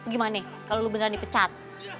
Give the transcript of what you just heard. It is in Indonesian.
gimana nih kalau lo beneran dipecat